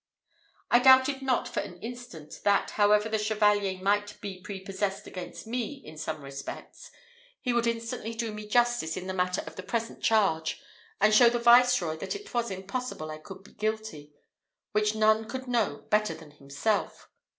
I doubted not for an instant, that, however the Chevalier might be prepossessed against me in some respects, he would instantly do me justice in the matter of the present charge, and show the viceroy that it was impossible I could be guilty; which none could know better than himself.